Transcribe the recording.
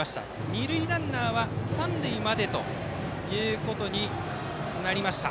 二塁ランナーは三塁までということになりました。